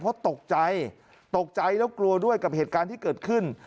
เพราะตกใจตกใจแล้วกลัวด้วยกับเหตุการณ์ที่เกิดขึ้น